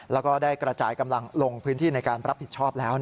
แล้วก็ได้กระจายกำลังลงพื้นที่ในการรับผิดชอบแล้ว